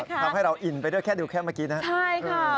อ๋อทำให้เราอิ่นไปด้วยแค่ดูแค่เมื่อกี้นะใช่ค่ะ